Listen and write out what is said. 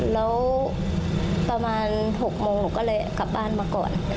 แล้วประมาณ๖โมงหนูก็เลยกลับบ้านมาก่อน